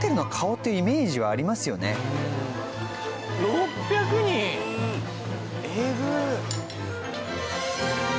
６００人！？えぐっ。